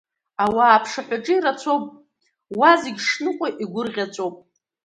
Ауаа аԥшаҳәаҿы ирацәоуп, уа зегь шныҟәо игәырӷьаҵәоуп.